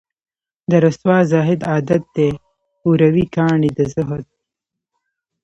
د رســــــوا زاهـــــد عـــــــادت دی اوروي کاڼي د زهد